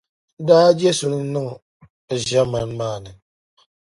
n daa je suli niŋ bɛ ʒiɛmani maa nima.